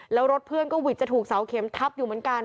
แล้วรถเพื่อนก็หวิดจะถูกเสาเข็มทับอยู่เหมือนกัน